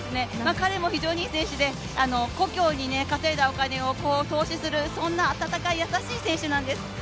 彼も非常にいい選手で、故郷に稼いだお金を投資する、そんな温かい優しい選手なんです。